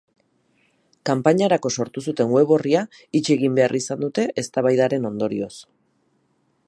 Kanpainarako sortu zuten web orria itxi egin behar izan dute, eztabaidaren ondorioz.